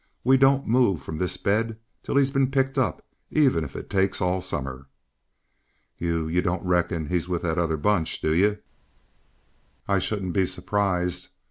"We don't move from this bed till he's been picked up, even if it takes all summer." "You you don't reckon he's with that other bunch, do you?" "I shouldn't be surprised.